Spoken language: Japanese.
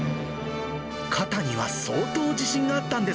肩には相当自信があったんで